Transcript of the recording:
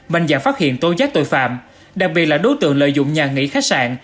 bành giả phát hiện tôn giác tội phạm đặc biệt là đối tượng lợi dụng nhà nghỉ khách sạn